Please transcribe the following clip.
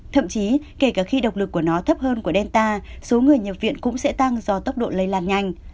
thậm chí kể cả khi độc lực của nó thấp hơn của delta số người nhập viện cũng sẽ tăng do tốc độ lây lan nhanh